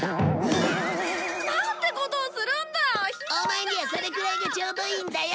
オマエにはそれくらいがちょうどいいんだよ。